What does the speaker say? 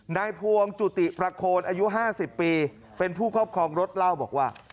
นายพวงจุติประโคนอายุ๕๐ปีเป็นผู้ครอบครองรถเล่าบอกว่า